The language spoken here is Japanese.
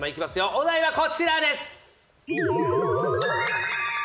お題はこちらです！